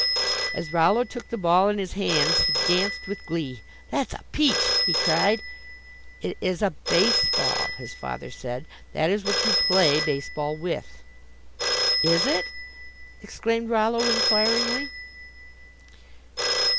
As Rollo took the ball in his hands he danced with glee. "That's a peach," he cried. "It is a base ball," his father said, "that is what you play base ball with." "Is it?" exclaimed Rollo, inquiringly.